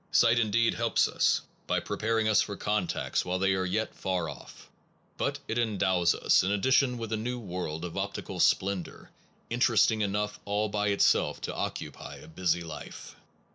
71 SOME PROBLEMS OF PHILOSOPHY us for contacts while they are yet far off, but it endows us in addition with a new world of optical splendor, interesting enough all by itself to occupy a busy life.